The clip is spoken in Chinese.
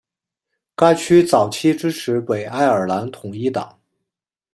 该区早期支持北爱尔兰统一党。